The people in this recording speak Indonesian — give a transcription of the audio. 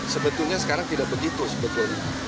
sebetulnya sekarang tidak begitu sebetulnya